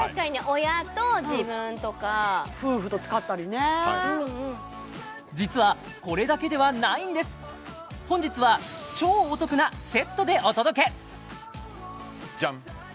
親と自分とか夫婦と使ったりね実はこれだけではないんです本日は超お得なセットでお届けジャン！